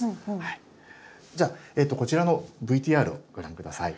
じゃあこちらのＶＴＲをご覧下さい。